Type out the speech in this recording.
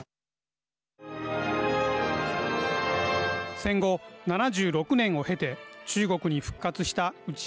戦後７６年を経て中国に復活した内山書店。